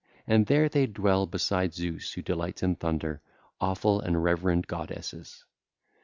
And there they dwell beside Zeus who delights in thunder, awful and reverend goddesses.